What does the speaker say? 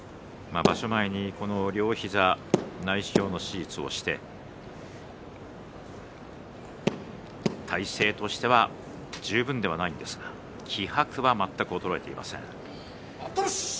場所前に両膝、内視鏡の手術をして体勢としては十分ではないんですが気迫は衰えていません。